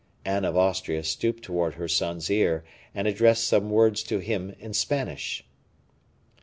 Anne of Austria stooped towards her son's ear and addressed some words to him in Spanish.